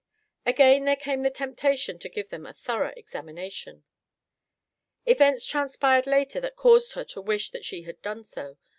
Again there came the temptation to give them a thorough examination. Events transpired later that caused her to wish that she had done so.